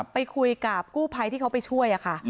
ไปคุยกับกู้ภัยที่เขาไปช่วยค่ะ